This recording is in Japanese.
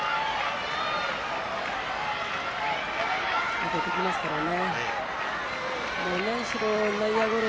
当ててきますからね。